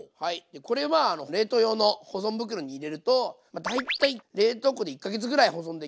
これは冷凍用の保存袋に入れると大体冷凍庫で１か月ぐらい保存できますんで。